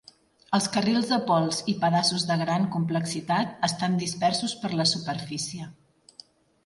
Els carrils de pols i pedaços de gran complexitat estan dispersos per la superfície.